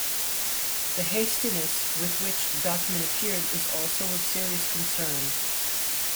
The hastiness with which the document appeared is also of serious concern.